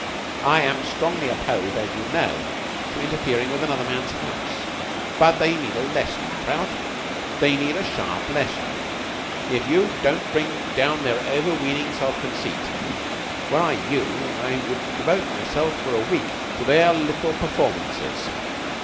I am strongly opposed, as you know, to interfering with another man's house; but they need a lesson, Prout. They need a sharp lesson, if only to bring down their over weening self conceit. Were I you, I should devote myself for a week to their little performances.